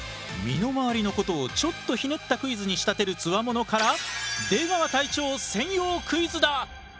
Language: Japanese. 身の回りのことをちょっとひねったクイズに仕立てるつわものから出川隊長専用クイズだ！